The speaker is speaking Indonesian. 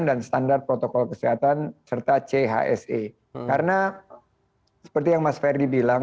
dan standar protokol kesehatan serta chse karena seperti yang mas ferry bilang